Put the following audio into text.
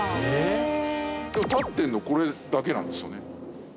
でも立ってるのこれだけなんですよね。